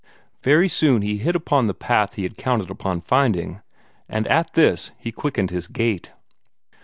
Very Soon he hit upon the path he had counted upon finding, and at this he quickened his gait.